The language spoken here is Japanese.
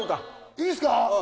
いいっすか？